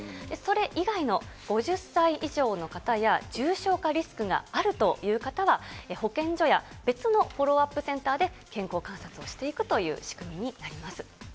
それ以外の、５０歳以上の方や重症化リスクがあるという方は、保健所や別のフォローアップセンターで、健康観察をしていくという仕組みになります。